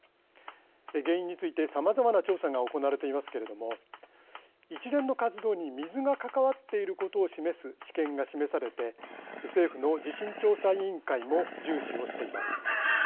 原因についてさまざまな調査が行われていますけども一連の活動に水が関わっていることを示す知見が示されて政府の地震調査委員会も重視をしています。